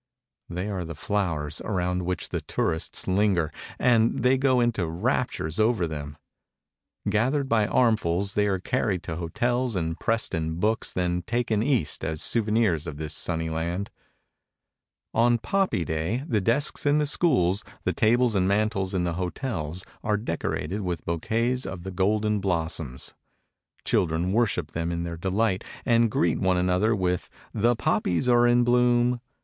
They are the flowers, around which the tourists linger, and they go into raptures over them. Gathered by armfuls, they are carried to hotels and pressed in books, then taken East, as souvenirs of this sunny land. On "Poppy Day" the desks in the schools, the tables and mantels in the hotels are decorated with bouquets of the golden blossoms. Children worship them in their delight and greet one another with "The poppies are in bloom!"